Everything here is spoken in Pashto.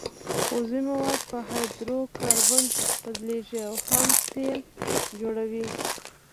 عضوي مواد په هایدرو کاربن بدلیږي او خام تیل جوړوي